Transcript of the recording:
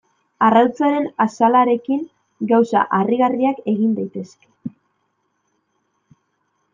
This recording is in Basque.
Arrautzaren azalarekin gauza harrigarriak egin daitezke.